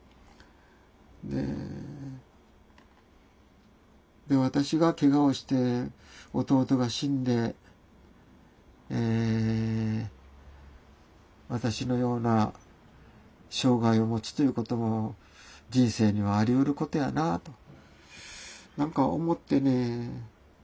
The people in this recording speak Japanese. で私がけがをして弟が死んで私のような障害を持つということも人生にはありうることやなとなんか思ってね。